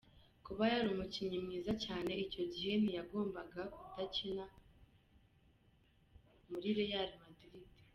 Kuba yari umukinnyi mwiza cyane icyo gihe, ntiyagombaga kudakina mri Real M.